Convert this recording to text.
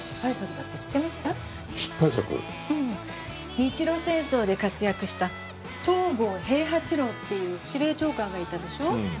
日露戦争で活躍した東郷平八郎っていう司令長官がいたでしょ？